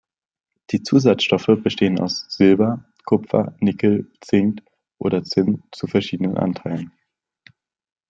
Die Zusatzstoffe bestehen aus Silber, Kupfer, Nickel, Zink oder Zinn zu verschiedenen Anteilen.